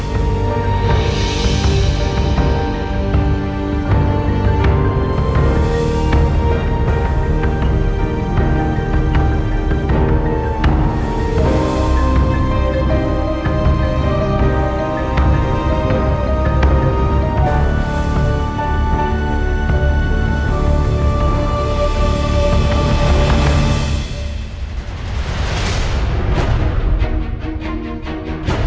aku bisa nyerah